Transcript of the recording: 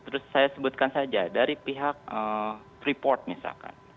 terus saya sebutkan saja dari pihak freeport misalkan